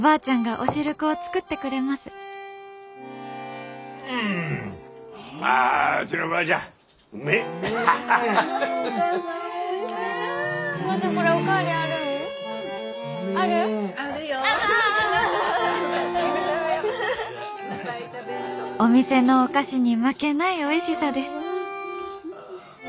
「お店のお菓子に負けないおいしさです」。